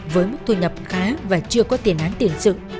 với mức thu nhập khá và chưa có tiền án tiền sự